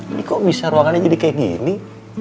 ini kok bisa ruangannya jadi kayak gini